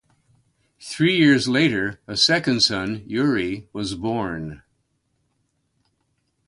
Three years later, a second son, Yuri, was born.